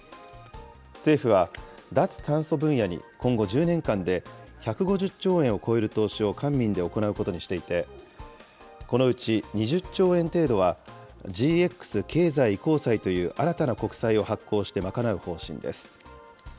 政府は、脱炭素分野に今後１０年間で１５０兆円を超える投資を官民で行うことにしていて、このうち、２０兆円程度はＧＸ経済移行債という新たな国債を発行して賄う方針です。